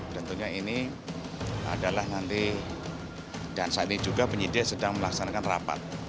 tentunya ini adalah nanti dan saat ini juga penyidik sedang melaksanakan rapat